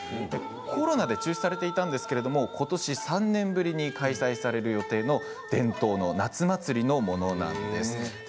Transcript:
コロナで中止されていたんですがことし３年ぶりに開催される予定の伝統の夏祭りのものなんです。